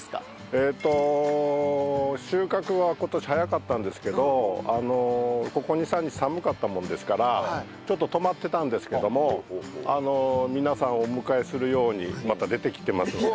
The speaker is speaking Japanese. えっと収穫は今年早かったんですけどここ２３日寒かったもんですからちょっと止まってたんですけども皆さんをお迎えするようにまた出てきてますので。